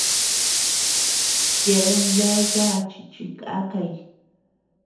Yeabean bea yachi chi kakay.